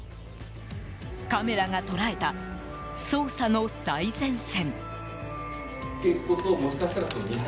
カメラが捉えた捜査の最前線。